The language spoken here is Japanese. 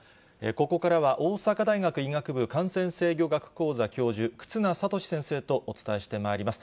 ここからは、大阪大学医学部感染制御学講座教授、忽那賢志先生とお伝えしてまいります。